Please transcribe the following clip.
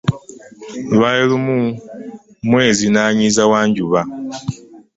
Lwali lumu Mwezi n’anyiiza Wanjuba.